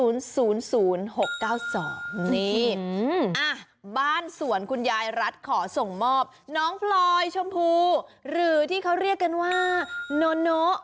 นี่บ้านสวนคุณยายรัฐขอส่งมอบน้องพลอยชมพูหรือที่เขาเรียกกันว่าโน